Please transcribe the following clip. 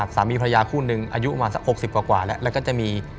สามีพระยาคู่นึงอายุมาสัก๖๐กว่าแล้วก็จะมี